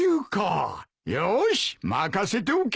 よーし任せておけ！